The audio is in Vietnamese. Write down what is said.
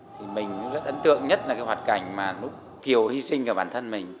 thì mình rất ấn tượng nhất là cái hoạt cảnh mà lúc kiều hy sinh cả bản thân mình